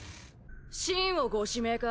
シンをご指名か？